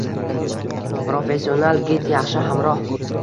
Professional gid – yaxshi hamroh